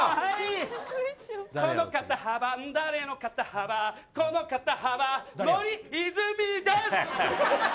この肩幅、誰の肩幅、この肩幅森泉です。